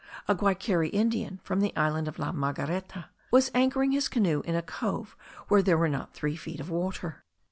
A Guaykeri Indian, from the island of La Margareta, was anchoring his canoe in a cove where there were not three feet of water.